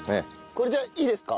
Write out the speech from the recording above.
これじゃあいいですか？